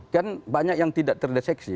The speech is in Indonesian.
kan banyak yang tidak terdeteksi